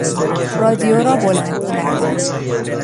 رادیو را بلند کردن